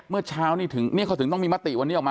เมื่อเช้านี่ถึงเนี่ยเขาถึงต้องมีมติวันนี้ออกมา